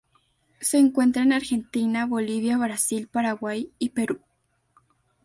Se encuentra en Argentina, Bolivia, Brasil, Paraguay y Perú.